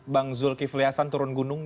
bang zulkifli hasan turun gunung